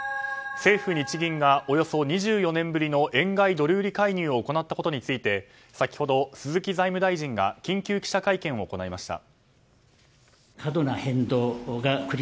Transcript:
政府・日銀がおよそ２４年ぶりの円買いドル売り介入を行ったことについて先ほど鈴木財務大臣が緊急記者会見を行いました。